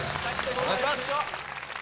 お願いします！